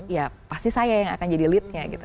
ya pasti saya yang akan jadi leadnya gitu